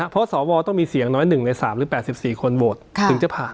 เพราะสวต้องมีเสียงน้อย๑ใน๓หรือ๘๔คนโหวตถึงจะผ่าน